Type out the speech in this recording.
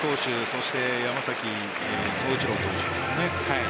それと山崎颯一郎投手ですかね。